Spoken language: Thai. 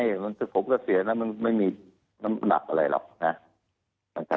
ผมก็เสียนะมันไม่มีน้ำหนักอะไรหรอกนะ